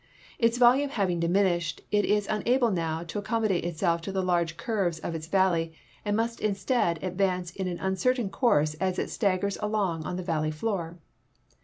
Its volume having diminished, it is unable now to accommodate itself to the large curves of its vallcv and must instead advance in an uncertain course as it staggers along on the valley floor.